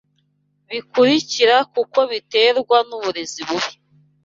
bikurikira kuko biterwa n’uburezi bubi